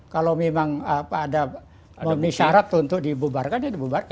kalau memang ada memenuhi syarat untuk dibubarkan ya dibubarkan